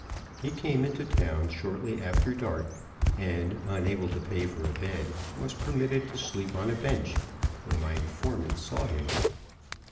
He came into town shortly after dark, and, unable to pay for a bed, was permitted to sleep on a bench, where my informant saw him.